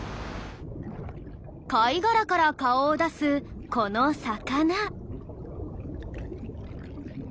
貝殻から顔を出すこの魚。